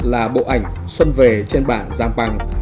là bộ ảnh xuân về trên bảng giang bằng